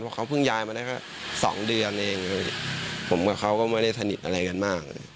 เพราะเขาเพิ่งย้ายมาได้แค่๒เดือนเองผมกับเขาก็ไม่ได้สนิทอะไรกันมาก